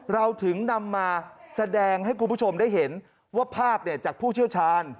เราถึงนำมาแสดงให้คุณผู้ชมได้เห็นว่าภาพจากผู้เชี่ยวชาญ